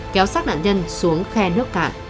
kéo sát nạn nhân xuống khe nước cả